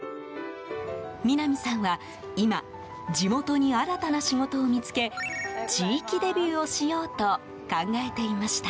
南さんは、今地元に新たな仕事を見つけ地域デビューをしようと考えていました。